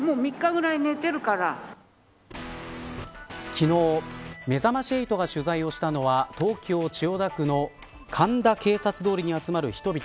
昨日、めざまし８が取材をしたのは東京、千代田区の神田警察通りに集まる人々。